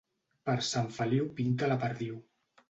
Per Sant Feliu pinta la perdiu.